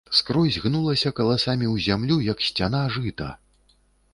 Скрозь гнулася каласамі ў зямлю, як сцяна, жыта.